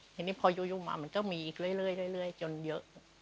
ทีนี้พออยู่มามันก็มีอีกเรื่อยจนเยอะ